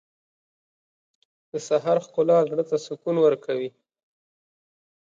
• د سهار ښکلا زړه ته سکون ورکوي.